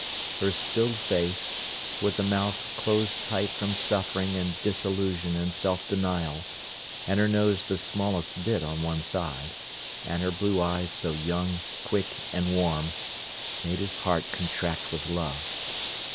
Her still face, with the mouth closed tight from suffering and disillusion and self denial, and her nose the smallest bit on one side, and her blue eyes so young, quick, and warm, made his heart contract with love.